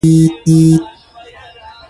حاجي ظاهر درې څلور ځله ورغوښتی دی.